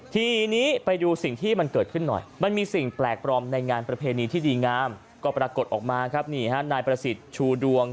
ทีนี้ไปดูสิ่งที่มันเกิดขึ้นหน่อยมันมีสิ่งแปลกปลอมในงานประเพณีที่ดีงามก็ปรากฏออกมาครับนี่ฮะนายประสิทธิ์ชูดวง